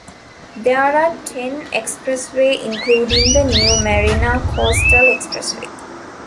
There are ten expressways, including the new Marina Coastal Expressway.